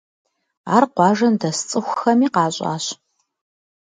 Ар къуажэм дэс цӀыхухэми къащӀащ.